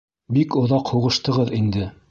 Бик оҙаҡ һуғыштығыҙ инде.